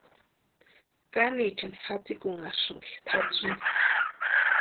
¿Kániechani jatsikunhasïnki tʼatsíni?